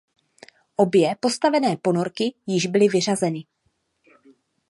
Obě postavené ponorky již byly vyřazeny.